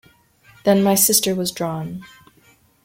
Then my sister was drawn.